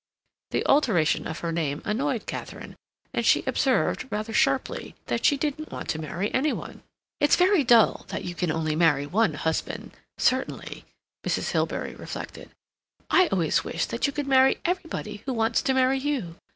The alteration of her name annoyed Katharine, and she observed, rather sharply, that she didn't want to marry any one. "It's very dull that you can only marry one husband, certainly," Mrs. Hilbery reflected. "I always wish that you could marry everybody who wants to marry you.